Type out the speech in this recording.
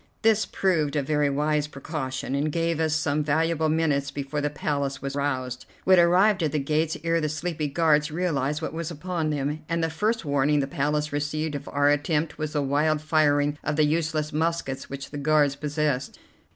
This proved a very wise precaution, and gave us some valuable minutes before the Palace was roused. We had arrived at the gates ere the sleepy guards realized what was upon them, and the first warning the Palace received of our attempt was the wild firing of the useless muskets which the guards possessed.